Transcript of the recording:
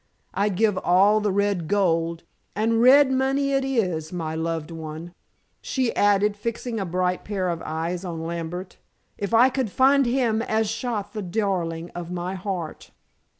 I'd give all the red gold and red money it is, my loved one," she added, fixing a bright pair of eyes on Lambert, "if I could find him as shot the darling of my heart."